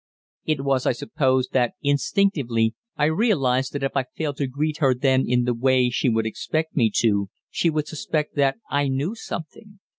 It was, I suppose, that instinctively I realized that if I failed to greet her then in the way she would expect me to she would suspect that I knew something.